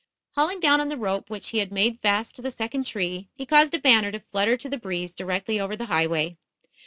Hauling down on the rope which he had made fast to the second tree, he caused a banner to flutter to the breeze directly over the highway.